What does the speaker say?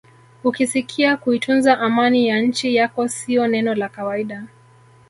Ukisikia kuitunza amani ya nchi yako sio neno la kawaida